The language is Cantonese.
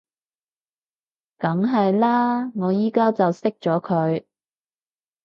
梗係喇，我而家就熄咗佢